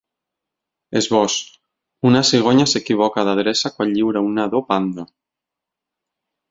Esbós: Una cigonya s’equivoca d’adreça quan lliura un nadó panda.